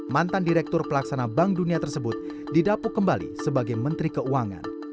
mantan direktur pelaksana bank dunia tersebut didapuk kembali sebagai menteri keuangan